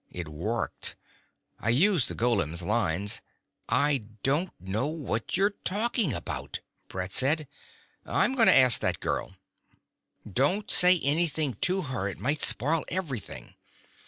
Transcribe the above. It worked. I used the golem's lines " "I don't know what you're talking about," Brett said. "I'm going to ask that girl " "Don't say anything to her; it might spoil everything.